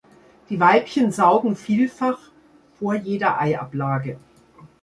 Die Weibchen saugen vielfach, vor jeder Eiablage.